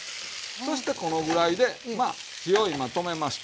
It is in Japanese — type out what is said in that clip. そしてこのぐらいでまあ火を今止めました。ね。